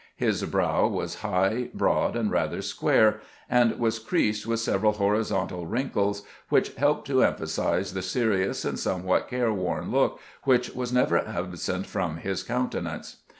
His brow was high, broad, and rather square, and was creased with several horizontal wrinkles, which helped to em phasize the serious and somewhat careworn look which was never absent from his countenance.